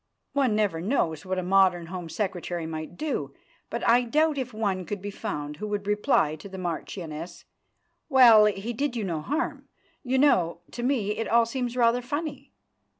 One never knows what a modern Home Secretary might do, but I doubt if one could be found who would reply to the marchioness: "Well, he did you no harm. You know, to me it all seems rather funny."